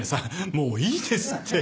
もういいですって。